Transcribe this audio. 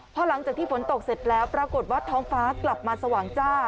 พอหลังจากที่ฝนตกเสร็จแล้วปรากฏว่าท้องฟ้ากลับมาสว่างจ้า